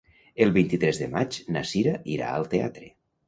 El vint-i-tres de maig na Sira irà al teatre.